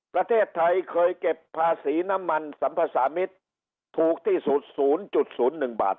ประเทศไทยเคยเก็บภาษีน้ำมันสัมภาษามิตรถูกที่สุด๐๐๑บาท